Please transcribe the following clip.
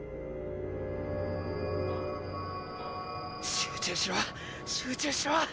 集中しろ集中しろ！